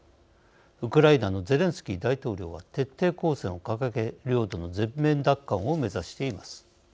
ウクライナのゼレンスキー大統領は徹底抗戦を掲げ領土の全面奪還を目指しています。